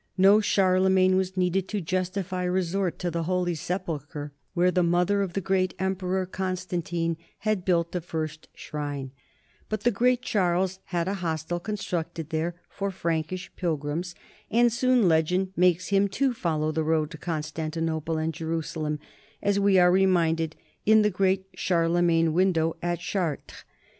No Charlemagne was needed to justify resort to the Holy Sepulchre, where the mother of the great em peror Constantine had built the first shrine; but the great Charles had a hostel constructed there for Prank ish pilgrims, and soon legend makes him, too, follow the road to Constantinople and Jerusalem, as we are re minded in the great Charlemagne window at Char tres.